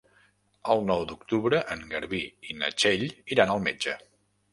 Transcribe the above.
El nou d'octubre en Garbí i na Txell iran al metge.